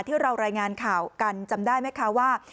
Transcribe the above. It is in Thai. ที่เรารายงานข่าวกันจำได้ไหมคะว่า